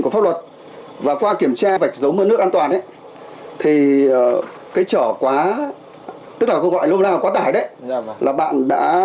trở quá vạch dấu mớ nước an toàn của phương tiện